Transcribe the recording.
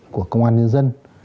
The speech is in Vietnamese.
của công an nhân dân